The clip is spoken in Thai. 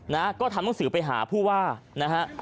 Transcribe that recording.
นะฮะก็ทำหนังสือไปหาผู้ว่านะฮะ